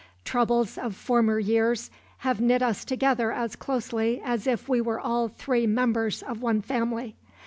Troubles of former years have knit us together as closely as if we were all three members of one family.